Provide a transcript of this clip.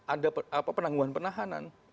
ada apa penangguhan penahanan